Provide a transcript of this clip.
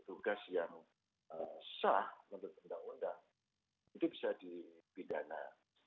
tugas yang sah menurut undang undang itu bisa dipidana